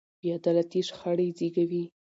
بې عدالتي شخړې زېږوي